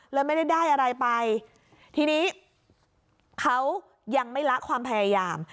เลยไม่ได้ได้อะไรไปทีนี้เขายังไม่ละความพยายาม